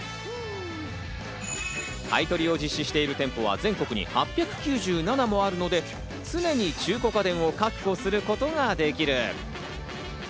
買い取りを実施している店舗は全国に８９７もあるので、常に中古家電を確保することができる。